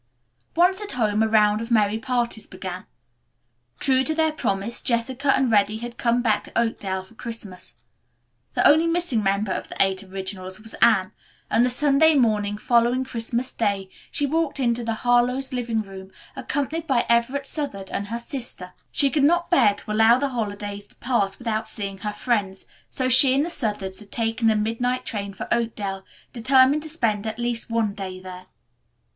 Once at home a round of merry parties began. True to their promise Jessica and Reddy had come back to Oakdale for Christmas. The only missing member of the Eight Originals was Anne, and the Sunday morning following Christmas Day she walked into the Harlowe's living room accompanied by Everett Southard and his sister. She could not bear to allow the holidays to pass without seeing her friends, so she and the Southards had taken the midnight train for Oakdale, determined to spend at least one day there.